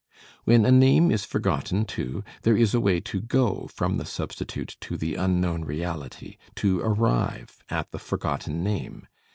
When a name is forgotten, too, there is a way to go from the substitute to the unknown reality, to arrive at the forgotten name.